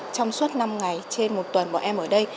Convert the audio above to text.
trong suốt năm ngày trên một tuần bọn em ở đây